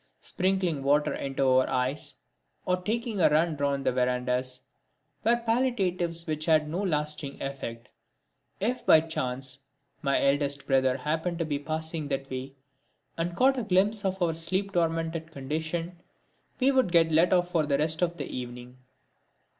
Sprinkling water into our eyes, or taking a run round the verandahs, were palliatives which had no lasting effect. If by any chance my eldest brother happened to be passing that way, and caught a glimpse of our sleep tormented condition, we would get let off for the rest of the evening.